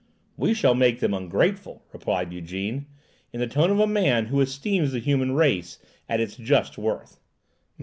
"We shall make them ungrateful," replied Ygène, in the tone of a man who esteems the human race at its just worth.